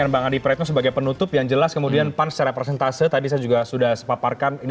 bang adi praitno kami akan segera kembali